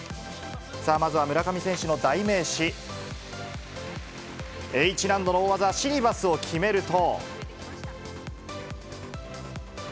まずは村上選手の代名詞、Ｈ難度の大技、シリバスを決めると。